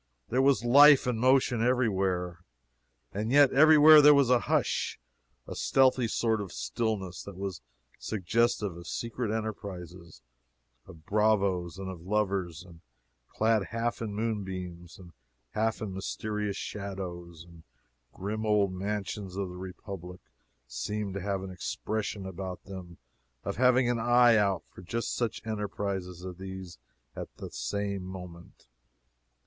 There was life and motion everywhere, and yet everywhere there was a hush, a stealthy sort of stillness, that was suggestive of secret enterprises of bravoes and of lovers; and clad half in moonbeams and half in mysterious shadows, the grim old mansions of the Republic seemed to have an expression about them of having an eye out for just such enterprises as these at that same moment.